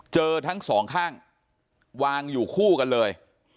เจอทั้งสองข้างวางอยู่คู่กันเลย